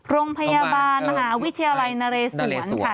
โรงพยาบาลมหาวิทยาลัยนเรศวรค่ะ